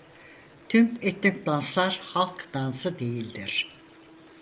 Tüm etnik danslar halk dansı değildir.